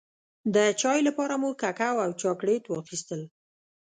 د چای لپاره مو ککو او چاکلېټ واخيستل.